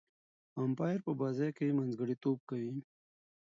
امپایر په بازي کښي منځګړیتوب کوي.